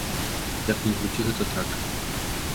Як ні круці, гэта так.